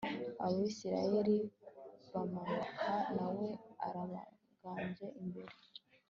abayisraheli bamanukana na we abarangaje imbere